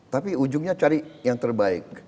tapi ujungnya cari yang terbaik